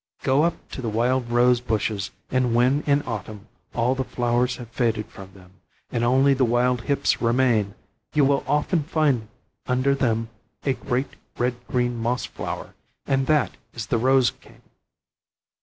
Go up to the wild rose bushes, and when in autumn all the flowers have faded from them, and only the wild hips remain, you will often find under them a great red green moss flower; and that is the rose king.